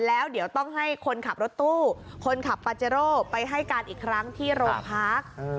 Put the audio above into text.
แล้วเดี๋ยวต้องให้คนขับรถตู้คนขับปาเจโร่ไปให้การอีกครั้งที่โรงพัก